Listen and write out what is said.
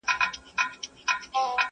ځان د بل لپاره سوځول زده کړو.!